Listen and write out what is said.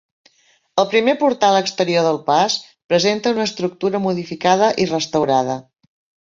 El primer portal exterior del pas, presenta una estructura modificada i restaurada.